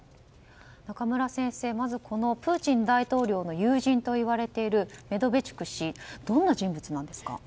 中村先生、プーチン大統領の友人といわれているメドベチュク氏はどんな人物なんですか？